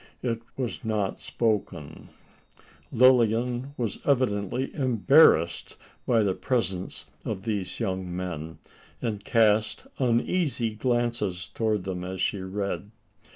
It was not spoken. Lilian was evidently embarrassed by the presence of these young men; and cast uneasy glances towards them as she read.